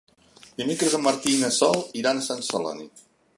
Dimecres en Martí i na Sol iran a Sant Celoni.